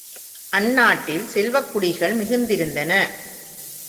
அந்நாட்டில் செல்வக் குடிகள் மிகுந்திருந்தன.